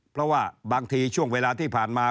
เพราะว่าบางทีช่วงเวลาที่ผ่านมา